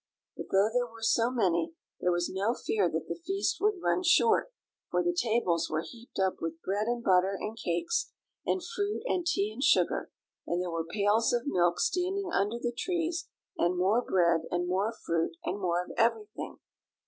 But though there were so many, there was no fear that the feast would run short, for the tables were heaped up with bread and butter and cakes, and fruit, and tea and sugar, and there were pails of milk standing under the trees, and more bread, and more fruit, and more of everything.